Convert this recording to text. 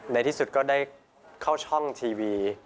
ในที่สุดก็ได้เข้าช่องทีวี